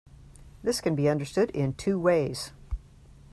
This can be understood in two ways.